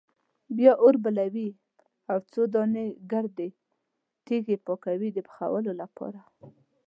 بیا اور بلوي او څو دانې ګردې تیږې پاکوي د پخولو لپاره.